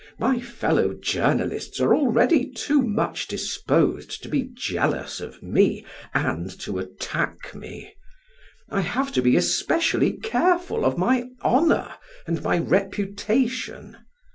My fellow journalists are already too much disposed to be jealous of me and to attack me. I have to be especially careful of my honor and my reputation.